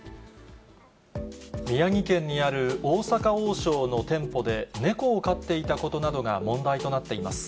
宮城県にある大阪王将の店舗で、猫を飼っていたことなどが問題となっています。